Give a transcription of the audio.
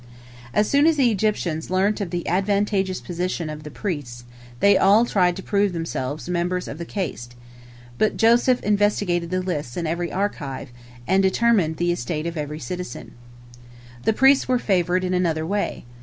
As soon as the Egyptians learnt of the advantageous position of the priests, they all tried to prove themselves members of the caste. But Joseph investigated the lists in the archives, and determined the estate of every citizen. The priests were favored in another way.